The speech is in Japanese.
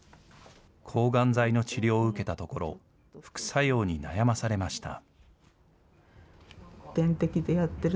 抗がん剤の治療を受けたところ、副作用に悩まされました。